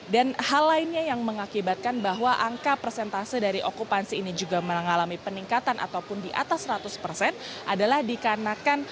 dan hal lainnya yang mengakibatkan bahwa angka persentase dari okupansi ini juga mengalami peningkatan ataupun di atas seratus adalah dikarenakan